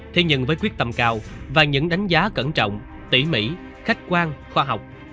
thế nhưng với quyết tâm cao và những đánh giá cẩn trọng tỉ mỉ khách quan khoa học